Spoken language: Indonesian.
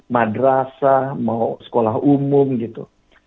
madrasah sekolah umum gitu